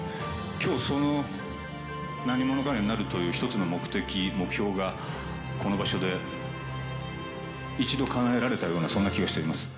きょう、その何者かになるという一つの目的、目標が、この場所で、一度かなえられたような、そんな気がしています。